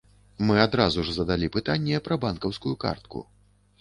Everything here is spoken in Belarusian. Мы адразу ж задалі пытанне пра банкаўскую картку.